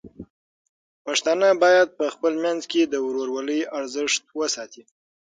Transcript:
پښتانه بايد په خپل منځ کې د ورورولۍ ارزښت وساتي.